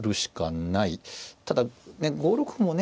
ただね５六歩もね